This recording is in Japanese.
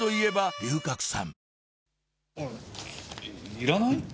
いらない？